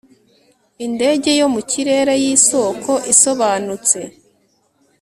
indege yo mu kirere yisoko isobanutse